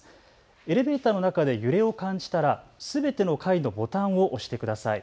エレベーターの中で揺れを感じたらすべての階のボタンを押してください。